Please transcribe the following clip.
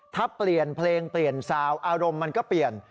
ถ้าเปลี่ยนเพลงเปลี่ยนซาวอารมณ์มันก็เปลี่ยน